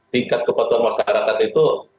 tingkat kepatuan masyarakat itu